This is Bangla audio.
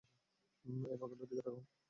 এই পাগলটার দিকে তাকাও।